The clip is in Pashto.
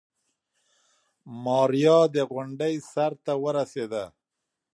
ماريا د غونډۍ سر ته ورسېده.